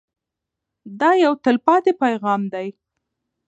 دا یو تلپاتې پیغام دی.